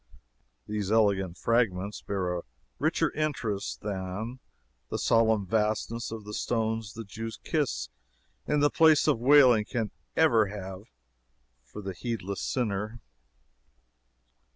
These elegant fragments bear a richer interest than the solemn vastness of the stones the Jews kiss in the Place of Wailing can ever have for the heedless sinner.